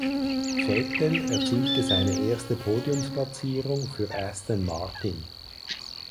Vettel erzielte seine erste Podiumsplatzierung für Aston Martin.